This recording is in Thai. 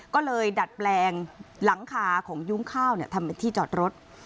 ก็เลยดัดแปลงหลังคาของยุ้งข้าวทำเป็นที่จอดรถ